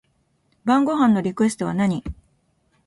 晩ご飯のリクエストは何